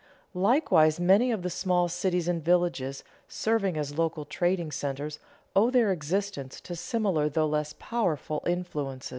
Likewise many of the small cities and villages, serving as local trading centers, owe their existence to similar though less powerful influences.